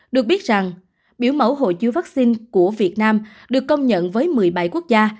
được biết rằng biểu mẫu hồ chứa vaccine của việt nam được công nhận với một mươi bảy quốc gia